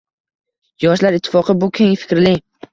Yoshlar ittifoqi bu keng fikrli